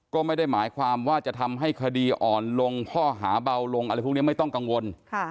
ก็ไม่ได้หมายความว่าจะทำให้คดีอ่อนลงข้อหาเบาลงอะไรพวกนี้ไม่ต้องกังวล